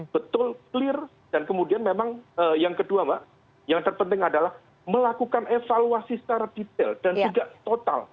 betul clear dan kemudian memang yang kedua mbak yang terpenting adalah melakukan evaluasi secara detail dan juga total